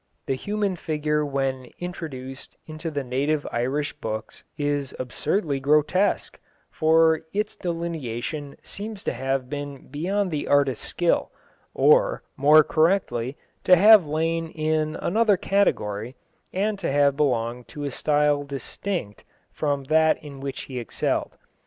The human figure when introduced into the native Irish books is absurdly grotesque, for its delineation seems to have been beyond the artist's skill, or, more correctly, to have lain in another category, and to have belonged to a style distinct from that in which he excelled.